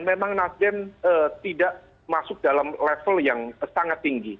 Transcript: memang nasdem tidak masuk dalam level yang sangat tinggi